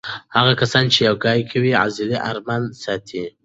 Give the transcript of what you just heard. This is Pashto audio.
هغه کسان چې یوګا کوي عضلې آرامې ساتلی شي.